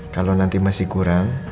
kalau nanti masih kurang